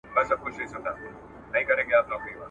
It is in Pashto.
بیا د ده پر ځای د بل حریص نوبت وي !.